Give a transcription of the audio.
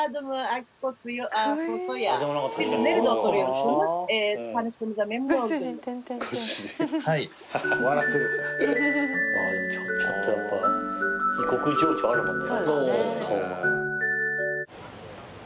ちょっとやっぱ異国情緒あるもんね。